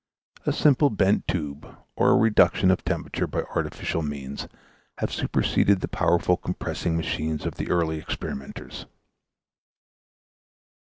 A simple bent tube, or a reduction of temperature by artificial means, have superseded the powerful compressing machines of the early experimenters.